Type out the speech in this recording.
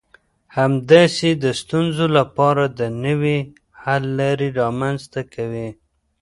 همداسې د ستونزو لپاره د نوي حل لارې رامنځته کوي.